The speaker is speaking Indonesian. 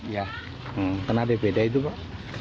ya kenapa dpd itu pak